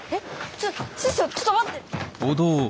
ちょ師匠ちょっと待って。